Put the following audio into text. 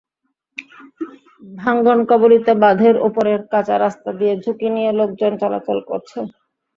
ভাঙনকবলিত বাঁধের ওপরের কাঁচা রাস্তা দিয়ে ঝুঁকি নিয়ে লোকজন চলাচল করছে।